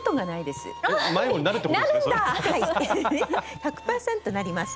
１００％なります。